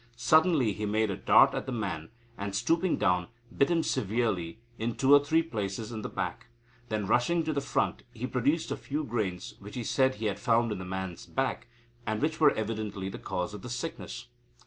Suddenly he made a dart at the man, and, stooping down, bit him severely in two or three places in the back. Then, rushing to the front, he produced a few grains, which he said he had found in the man's back, and which were evidently the cause of the sickness."